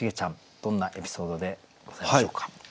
どんなエピソードでございましょうか？